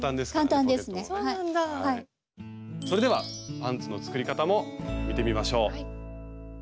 それではパンツの作り方も見てみましょう。